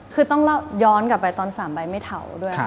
คือต้องย้อนกลับไปตอน๓ใบไม่เผาด้วย